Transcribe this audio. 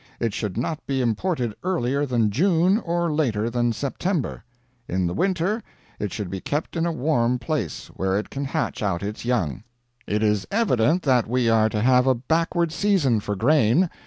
It should not be imported earlier than June or later than September. In the winter it should be kept in a warm place, where it can hatch out its young. It is evident that we are to have a backward season for grain.